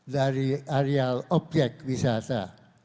dari areal objek wisata